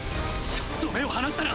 ちょっと目を離したら！